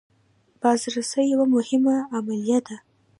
بازرسي یوه مهمه عملیه ده.